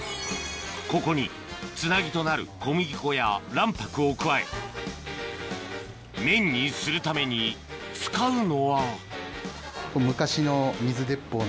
ここにつなぎとなる小麦粉や卵白を加え麺にするために使うのは昔の。